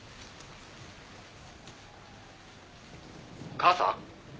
「母さん？」